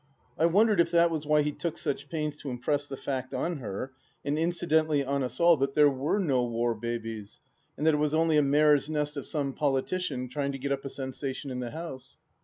... I wondered if that was why he took such pains to impress the fact on her, and incidentally on us all, that there were no war babies, and that it was only a mare's nest of some politician trying to get up a sensation in the House